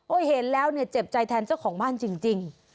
เห็นแล้วเนี่ยเจ็บใจแทนเจ้าของบ้านจริง